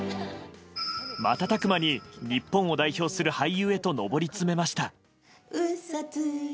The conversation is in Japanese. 瞬く間に日本を代表する俳優へと上り詰めました。